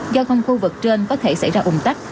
giao thông khu vực trên có thể xảy ra ủng tắc